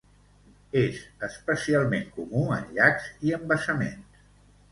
És especialment comú en llacs i embassaments.